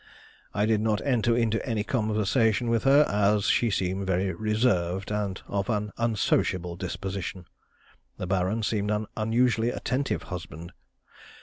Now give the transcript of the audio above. I did not enter into any conversation with her, as she seemed very reserved and of an unsociable disposition. The Baron seemed an unusually attentive husband.